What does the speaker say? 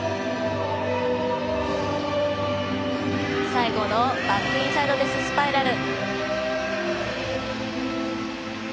最後のバックインサイドデススパイラル。